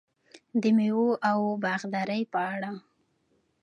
د میوو او باغدارۍ په اړه: